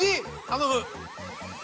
頼む！